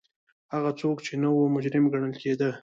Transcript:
هغه څوک چې نه وو مجرم ګڼل کېده